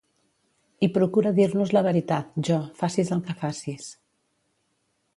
I procura dir-nos la veritat, Jo, facis el que facis.